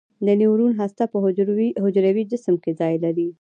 د نیورون هسته په حجروي جسم کې ځای لري.